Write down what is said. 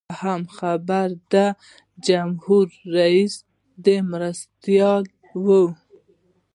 دویم خبر د جمهور رئیس د مرستیال و.